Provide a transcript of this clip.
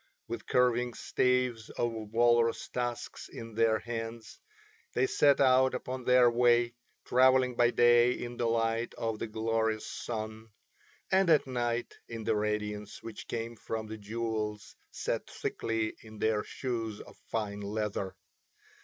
With curving staves of walrus tusks in their hands, they set out upon their way, travelling by day in the light of the glorious sun, and at night in the radiance which came from the jewels set thickly in their shoes of fine leather.